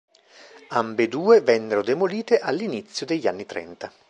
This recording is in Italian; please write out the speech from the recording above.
Ambedue vennero demolite all'inizio degli anni trenta.